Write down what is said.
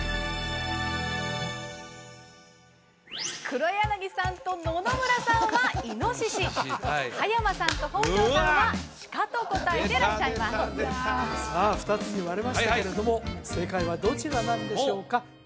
黒柳さんと野々村さんは「いのしし」葉山さんと本上さんは「シカ」と答えてらっしゃいますさあ２つに割れましたけれども正解はどちらなんでしょうか？